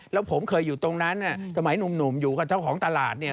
แล้วผมเคยอยู่ตรงนั้นสมัยหนุ่มอยู่กับเจ้าของตลาดเนี่ย